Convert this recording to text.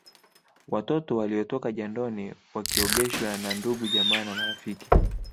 Watoto waliotoka jandoni wakiogeshwa na ndugujamaa na marafiki